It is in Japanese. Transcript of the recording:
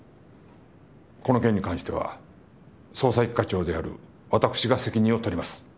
この件に関しては捜査一課長である私が責任を取ります。